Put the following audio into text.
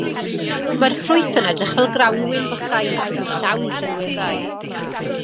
Mae'r ffrwyth yn edrych fel grawnwin bychain ac yn llawn rhinweddau.